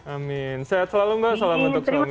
amin sehat selalu mbak salam untuk selama ini